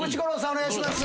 お願いします。